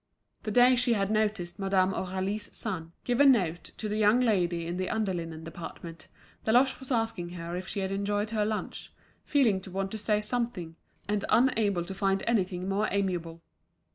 The day she had noticed Madame Aurélie's son giving a note to the young lady in the under linen department, Deloche was asking her if she had enjoyed her lunch, feeling to want to say something, and unable to find anything more amiable.